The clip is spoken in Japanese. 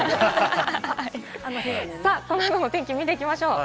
このあとの天気見ていきましょう。